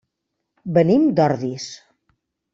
Venim d'Ordis.